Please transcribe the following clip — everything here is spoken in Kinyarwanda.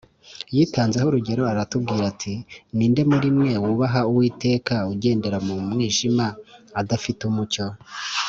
.” Yitanzeho urugero, aratubwira ati, ” Ni nde muri mwe wubaha Uwiteka … ugendera mu mwijima, adafite umucyo?